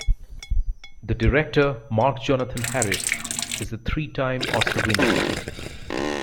The director, Mark Jonathan Harris, is a three-time Oscar winner.